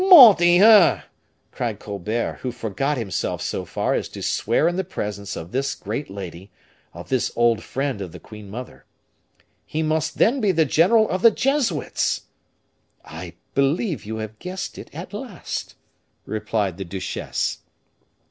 "Mordieu!" cried Colbert, who forgot himself so far as to swear in the presence of this great lady, of this old friend of the queen mother. "He must then be the general of the Jesuits." "I believe you have guessed it at last," replied the duchesse.